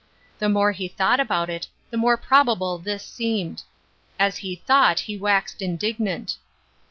The more he thought about it the more probable this seemed. As he thought he waxed indig nant.